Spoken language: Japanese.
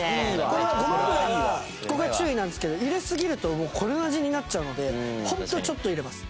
これごま油はここが注意なんですけど入れすぎるとこの味になっちゃうのでホントちょっと入れます。